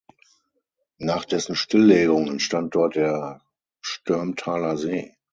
Nach dessen Stilllegung entstand dort der Störmthaler See.